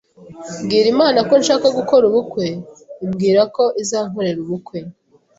mbwira Imana ko nshaka gukora ubukwe, imbwirako izankorera ubukwe ,